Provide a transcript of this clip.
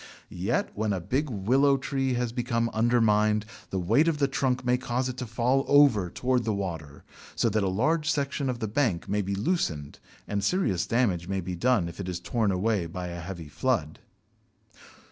Yet when a big Willow tree has become undermined, the weight of the trunk may cause it to fall over towards the water, so that a large section of the bank may be loosened and serious damage may be done if it is torn away by a heavy flood.